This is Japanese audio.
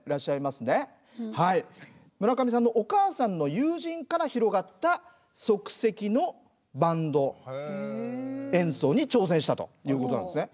村上さんのお母さんの友人から広がった即席のバンド演奏に挑戦したということなんですね。